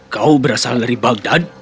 kau berasal dari bagdad